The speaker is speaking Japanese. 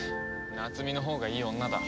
夏美のほうがいい女だ。